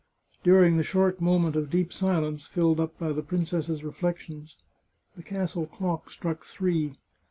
During the short moment of deep silence filled up by the princess's reflections, the castle clock struck three.